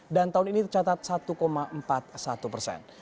dan tahun ini tercatat satu empat puluh satu persen